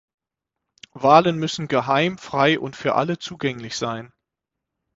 Wahlen müssen geheim, frei und für alle zugänglich sein